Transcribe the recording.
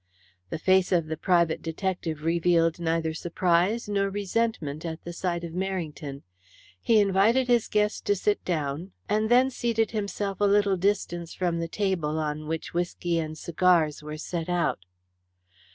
The face of the private detective revealed neither surprise nor resentment at the sight of Merrington. He invited his guest to sit down, and then seated himself a little distance from the table, on which whisky and cigars were set out.